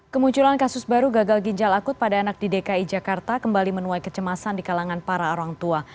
kemunculan kasus baru gagal ginjal akut pada anak di dki jakarta kembali menuai kecemasan di kalangan para orang tua